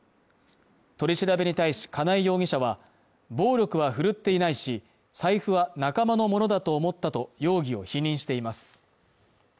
取り調べに対し金井容疑者は暴力は振るっていないし財布は仲間のものだと思ったと容疑を否認しています